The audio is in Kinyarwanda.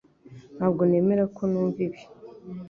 Ntabwo nemera ko numva ibi